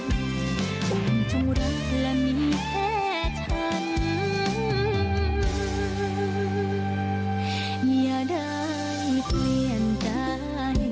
ยิ่งรักและมีแค่ฉันอย่าได้เปลี่ยนใจ